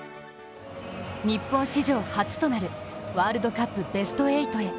日本史上初となる、ワールドカップベスト８へ。